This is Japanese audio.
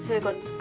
あ。